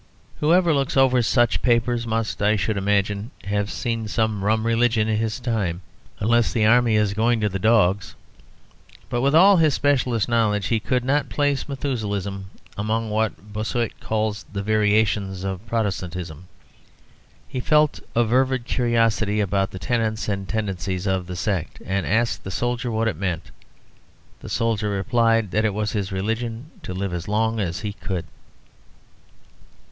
Whoever looks over such papers must, I should imagine, have seen some rum religions in his time; unless the Army is going to the dogs. But with all his specialist knowledge he could not "place" Methuselahism among what Bossuet called the variations of Protestantism. He felt a fervid curiosity about the tenets and tendencies of the sect; and he asked the soldier what it meant. The soldier replied that it was his religion "to live as long as he could."